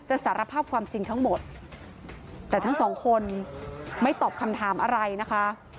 สารภาพความจริงทั้งหมดแต่ทั้งสองคนไม่ตอบคำถามอะไรนะคะ